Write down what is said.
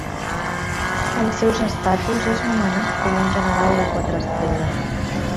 Pels seus estatus, és nomenat com un general de quatre estrelles.